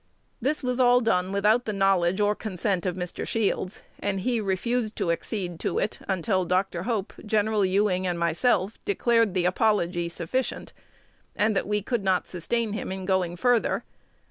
This was all done without the knowledge or consent of Mr. Shields; and he refused to accede to it until Dr. Hope, Gen. Ewing, and myself declared the apology sufficient, and that we could not sustain him in going further.